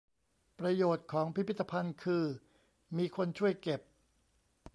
ประโยชน์ของพิพิธภัณฑ์คือ มีคนช่วยเก็บ